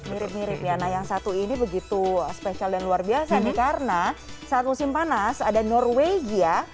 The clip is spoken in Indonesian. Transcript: mirip mirip ya nah yang satu ini begitu spesial dan luar biasa nih karena saat musim panas ada norwegia